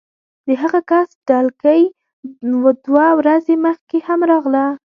د هغه کس ډلګۍ دوه ورځې مخکې هم راغله